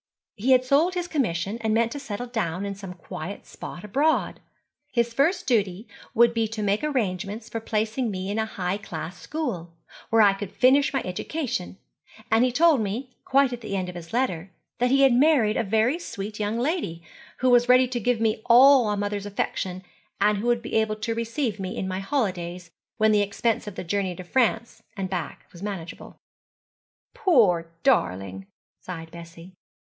He had sold his commission and meant to settle down in some quiet spot abroad. His first duty would be to make arrangements for placing me in a high class school, where I could finish my education; and he told me, quite at the end of his letter, that he had married a very sweet young lady, who was ready to give me all a mother's affection, and who would be able to receive me in my holidays, when the expense of the journey to France and back was manageable.' 'Poor darling!' sighed Bessie.